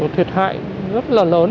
thiệt hại rất là lớn